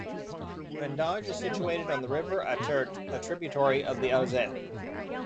Redange is situated on the river Attert, a tributary of the Alzette.